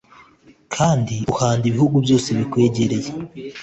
Kandi uhanda ibihugu byose bikwegereye